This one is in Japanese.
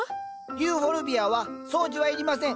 ユーフォルビアは掃除はいりません。